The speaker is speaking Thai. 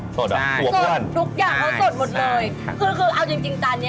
โสดเหรอหัวอ้วนใช่ใช่ใช่ใช่ใช่คือคือเอาจริงจานนี้